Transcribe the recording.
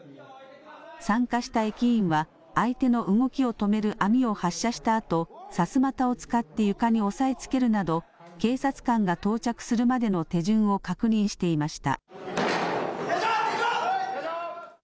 参加した駅員は相手の動きを止める網を発射したあとさすまたを使って床に押さえつけるなど警察官が到着するまでの手順を確認していました。